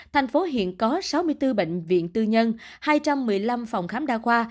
thành phố hiện có sáu mươi bốn bệnh viện tư nhân hai trăm một mươi năm phòng khám đa khoa